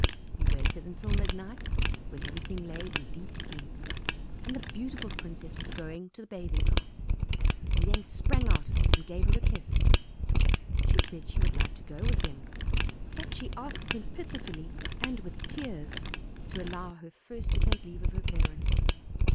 He waited until midnight, when everything lay in deep sleep, and the beautiful princess was going to the bathing house. Then he sprang out and gave her a kiss. She said that she would like to go with him, but she asked him pitifully, and with tears, to allow her first to take leave of her parents.